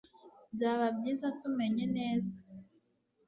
Byaba byiza tumenye neza